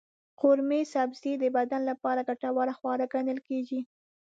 قورمه سبزي د بدن لپاره ګټور خواړه ګڼل کېږي.